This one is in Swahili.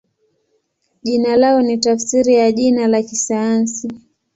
Jina lao ni tafsiri ya jina la kisayansi.